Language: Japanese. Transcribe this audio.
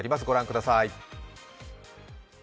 御覧ください。